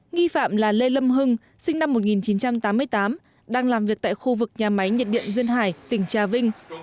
nghi phạm là lê lâm hưng sinh năm một nghìn chín trăm tám mươi tám đang làm việc tại khu vực nhà máy nhiệt điện duyên hải tỉnh trà vinh